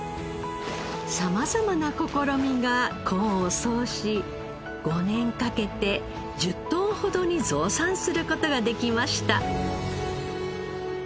様々な試みが功を奏し５年かけて１０トンほどに増産する事ができました。